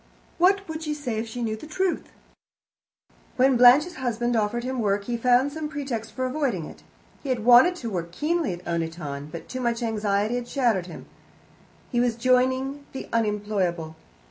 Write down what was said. What would she say if she knew the truth?" When Blanche's husband offered him work, he found some pretext for avoiding it. He had wanted work keenly at Oniton, but too much anxiety had shattered him; he was joining the unemployable.